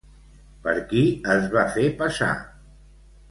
Per qui es va fer passar?